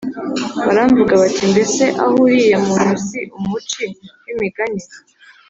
Baramvuga bati ‘Mbese aho uriya muntu si umuci w’imigani?